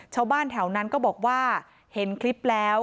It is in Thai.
ชาวบ้านแถวนั้นก็บอกว่าเห็นคลิปแล้ว